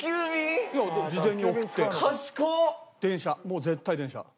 もう絶対電車。